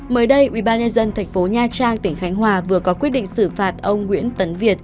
mới đây ubnd tp nha trang tỉnh khánh hòa vừa có quyết định xử phạt ông nguyễn tấn việt